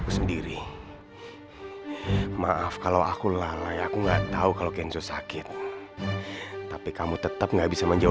sebentar ya pak saya cek dulu datanya